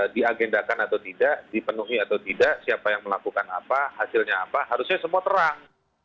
diagendakan atau tidak dipenuhi atau tidak siapa yang melakukan apa hasilnya apa harusnya semua terang